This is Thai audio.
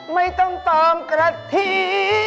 ไม่ต้องตอบกระที